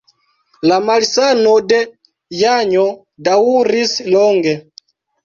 La malsano de Janjo daŭris longe.